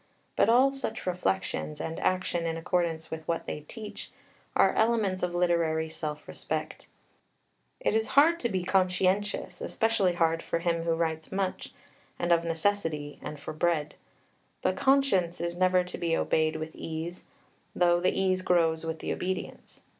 But all such reflections, and action in accordance with what they teach, are elements of literary self respect. It is hard to be conscientious, especially hard for him who writes much, and of necessity, and for bread. But conscience is never to be obeyed with ease, though the ease grows with the obedience.